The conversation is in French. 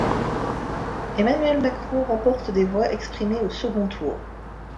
Emmanuel Macron remporte des voix exprimées au second tour.